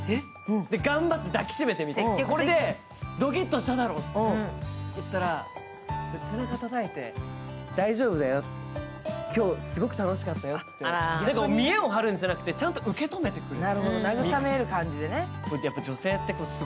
頑張って抱きしめてみて、これでドキッとしただろうって言ったら背中たたいて、大丈夫だよ、今日すごく楽しかったよって見えを張るんじゃなくて受け止めてくれる。